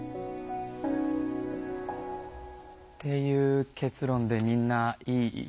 っていう結論でみんないい？